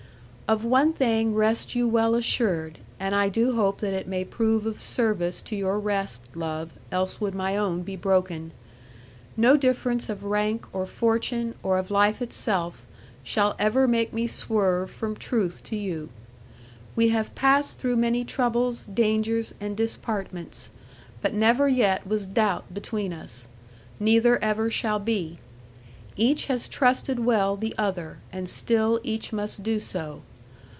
'Of one thing rest you well assured and I do hope that it may prove of service to your rest, love, else would my own be broken no difference of rank, or fortune, or of life itself, shall ever make me swerve from truth to you. We have passed through many troubles, dangers, and dispartments, but never yet was doubt between us; neither ever shall be. Each has trusted well the other; and still each must do so.